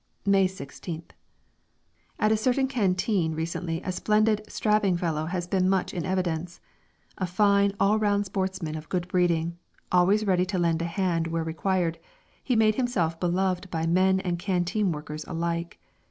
May 16th. At a certain canteen recently a splendid, strapping fellow has been much in evidence. A fine all round sportsman of good breeding, always ready to lend a hand where required, he made himself beloved by men and canteen workers alike.